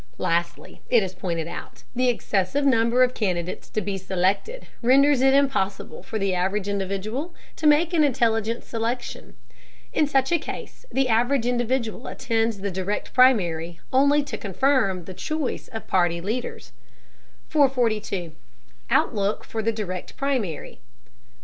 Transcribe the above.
Lastly, it is pointed out, the excessive number of candidates to be selected renders it impossible for the average individual to make an intelligent selection. In such a case, the average individual attends the Direct Primary only to confirm the choice of party leaders. 442. OUTLOOK FOR THE DIRECT PRIMARY.